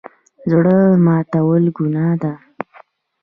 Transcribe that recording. زړه ماتول ګناه ده